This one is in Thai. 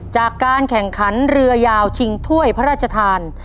จากการแข่งขันเรือยาวชิงถ้วยพระราชทาน